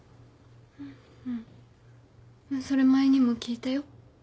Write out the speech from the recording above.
それ前にも聞いたよ。